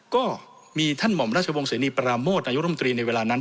ก็มีท่านหม่อมราชวงศ์เสนีปราโมทนายตรีในเวลานั้น